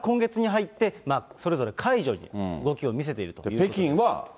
それが今月に入って、それぞれ解除の動きを見せていると。